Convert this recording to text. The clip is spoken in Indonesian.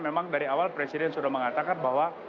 memang dari awal presiden sudah mengatakan bahwa